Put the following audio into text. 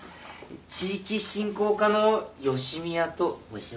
地域振興課の吉宮と申します。